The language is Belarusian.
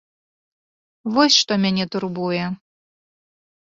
Вось што мяне турбуе.